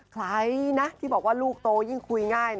ใครนะที่บอกว่าลูกโตยิ่งคุยง่าย